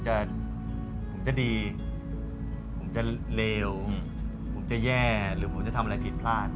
ผมจะดีผมจะเลวผมจะแย่หรือผมจะทำอะไรผิดพลาด